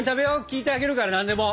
聞いてあげるから何でも。